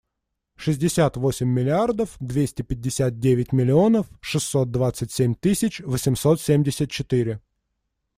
Шестьдесят восемь миллиардов двести пятьдесят девять миллионов шестьсот двадцать семь тысяч восемьсот семьдесят четыре.